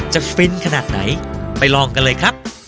ฟินขนาดไหนไปลองกันเลยครับ